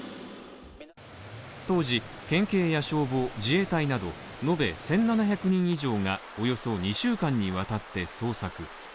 当時、県警や消防、自衛隊など延べ１７００人以上がおよそ２週間にわたって捜索。